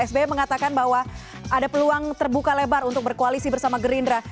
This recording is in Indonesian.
sby mengatakan bahwa ada peluang terbuka lebar untuk berkoalisi bersama gerindra